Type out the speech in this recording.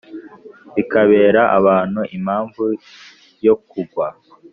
bikabera abantu impamvu yo kugwa,